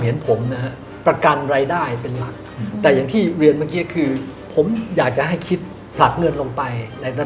อย่างที่